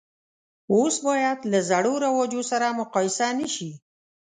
اوس باید له زړو رواجو سره مقایسه نه شي.